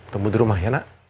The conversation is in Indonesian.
tunggu di rumah ya nak